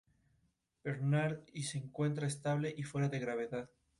A veces se considera existen tres razas, con variaciones en su coloración.